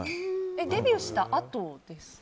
デビューしたあとですか？